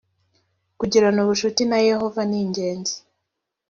kugirana ubucuti na yehova ningenzi.